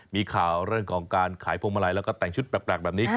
มีข่าวเรื่องของการขายพวงมาลัยแล้วก็แต่งชุดแปลกแบบนี้